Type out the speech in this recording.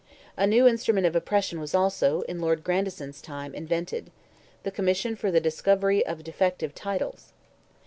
A new instrument of oppression was also, in Lord Grandison's time, invented—"the Commission for the Discovery of Defective Titles."